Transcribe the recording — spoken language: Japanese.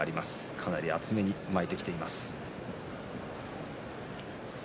かなり厚めに巻いてきています。